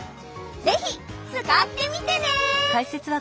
ぜひ使ってみてね！